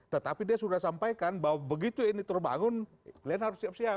tetapi dia sudah sampaikan bahwa begitu ini terbangun kalian harus siap siap